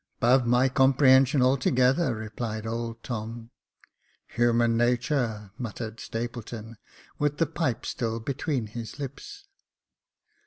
" 'Bove my comprehension altogether," replied old Tom. " Human natur," muttered Stapleton, with the pipe still between his lips.